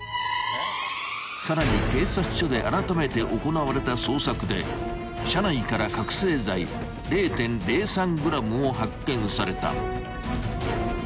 ［さらに警察署であらためて行われた捜索で車内から覚醒剤０．０３ｇも発見された］